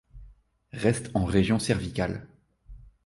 Reste en région cervicale.